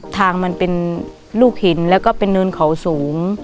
ทางมันเป็นลูกหินแล้วก็เป็นเนินเขาสูง